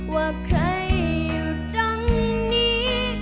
ว่าใครอยู่ดังนี้